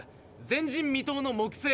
前人未到の木星。